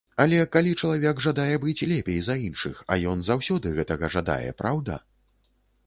Але калі чалавек жадае быць лепей за іншых, а ён заўсёды гэтага жадае, праўда?